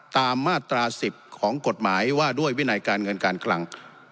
ตามมาตรา๑๐ของกฎหมายว่าด้วยวินัยการเงินการคลัง